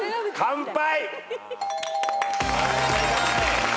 「乾杯！